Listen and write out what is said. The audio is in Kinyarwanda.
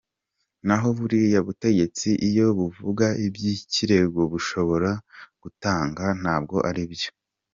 Naho buriya butegetsi iyo buvuga iby’ikirego bushobora gutanga, ntabwo aribyo.